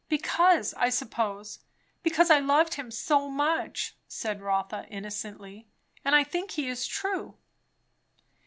"Because I suppose, because I loved him so much," said Rotha innocently; "and I think he is true."